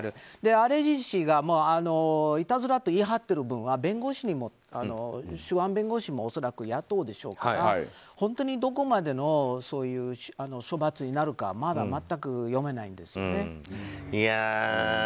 アレジ氏が、いたずらと言い張っている分では弁護士も恐らく雇うでしょうから本当にどこまでの処罰になるかまだ全く読めないんですよね。